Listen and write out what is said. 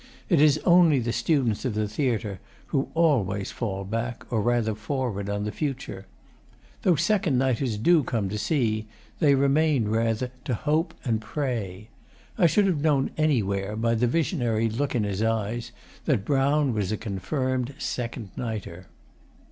It is only the students of the theatre who always fall back, or rather forward, on the future. Though second nighters do come to see, they remain rather to hope and pray. I should have known anywhere, by the visionary look in his eyes, that Brown was a confirmed second nighter.